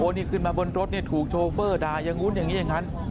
นี่ขึ้นมาบนรถเนี่ยถูกโชเฟอร์ด่าอย่างนู้นอย่างนี้อย่างนั้น